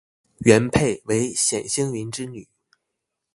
元配为冼兴云之女。